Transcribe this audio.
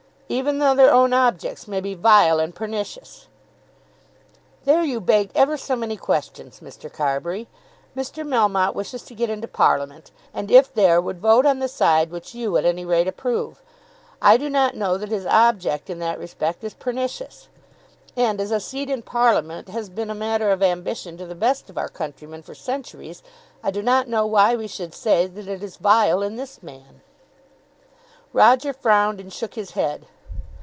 "Even though their own objects may be vile and pernicious?" "There you beg ever so many questions, Mr. Carbury. Mr. Melmotte wishes to get into Parliament, and if there would vote on the side which you at any rate approve. I do not know that his object in that respect is pernicious. And as a seat in Parliament has been a matter of ambition to the best of our countrymen for centuries, I do not know why we should say that it is vile in this man." Roger frowned and shook his head.